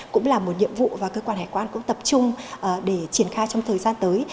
cũng là một nhiệm vụ và cơ quan hải quan cũng tập trung để triển khai trong thời gian tới